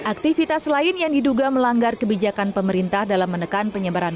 hai aktivitas lain yang diduga melanggar kebijakan pemerintah dalam menekan penyebaran